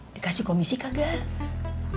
dikasih komisi kagak